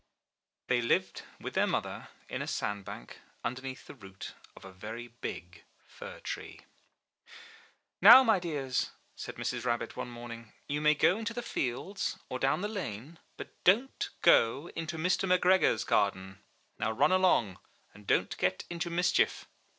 They lived with their mother in a sand bank, under neath the root of a very big fir tree. Now, my dears,'' said Mrs. Rabbit one morning, '*you may go into the fields or down the lane, but don't go into Mr. McGregor's garden. Now run along, and don't get into mischief.